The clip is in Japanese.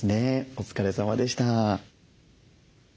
お疲れさまでした。